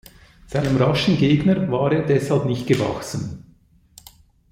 Seinem raschen Gegner war er deshalb nicht gewachsen.